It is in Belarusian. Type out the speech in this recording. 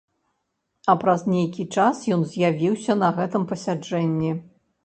А праз нейкі час ён з'явіўся на гэтым пасяджэнні.